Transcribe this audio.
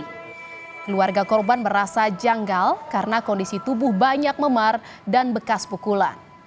keluarga korban merasa janggal karena kondisi tubuh banyak memar dan bekas pukulan